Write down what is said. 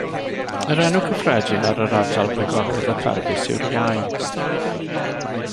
Yr enw cyffredin ar yr ardal ble gorwedd y pelfis yw'r iau.